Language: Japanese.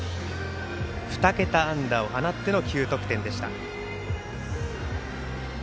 ２桁安打を放っての９得点でした。